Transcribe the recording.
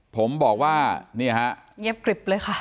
ผมบอกว่านี่ฮะเงียบกริบเลยค่ะ